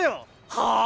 はあ！？